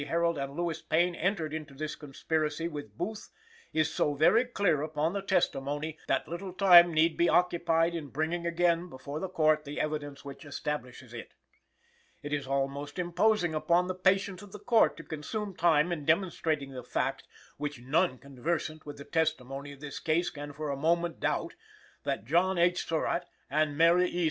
Herold, and Louis Payne entered into this conspiracy with Booth, is so very clear upon the testimony, that little time need be occupied in bringing again before the Court the evidence which establishes it. "It is almost imposing upon the patience of the Court to consume time in demonstrating the fact, which none conversant with the testimony of this case can for a moment doubt, that John H. Surratt and Mary E.